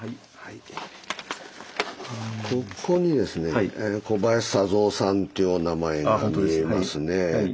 ここにですね小林佐三さんというお名前が見えますね。